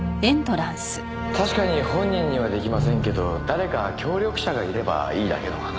確かに本人には出来ませんけど誰か協力者がいればいいだけの話ですよね。